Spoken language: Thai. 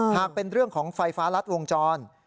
หากเป็นเรื่องของไฟฟ้ารัดวงจร